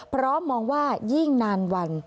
เพราะมองว่ายิ่งนานวัน